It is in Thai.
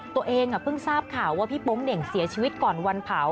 ตัวเองเพิ่งทราบข่าวว่าพี่โป๊งเหน่งเสียชีวิตก่อนวันเผา